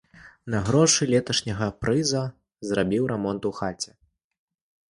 На грошы леташняга прыза зрабіў рамонт у хаце.